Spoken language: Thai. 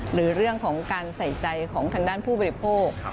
หรือเรื่องของการใส่ใจของทางด้านผู้บริโภค